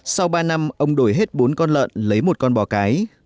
sau ba năm ông đổi hết bốn con lợn lấy một con bò cái